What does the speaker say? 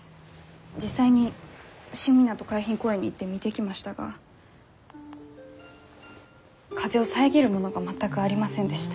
実際に新港海浜公園に行って見てきましたが風を遮るものが全くありませんでした。